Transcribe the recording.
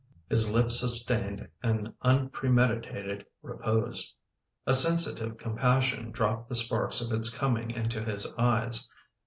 His lips sus tained an unpremediated repose. A sensitive compassion dropped the sparks of its coming into his eyes.